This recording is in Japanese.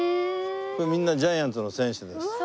これみんなジャイアンツの選手です。